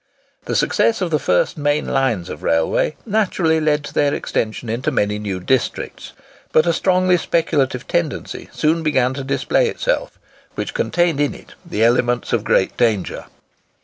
The success of the first main lines of railway naturally led to their extension into many new districts; but a strongly speculative tendency soon began to display itself, which contained in it the elements of great danger.